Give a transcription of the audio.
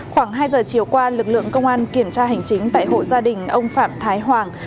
khoảng hai giờ chiều qua lực lượng công an kiểm tra hành chính tại hộ gia đình ông phạm thái hoàng